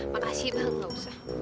makasih bang gak usah